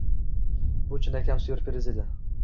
Bu chinakam syurpriz edi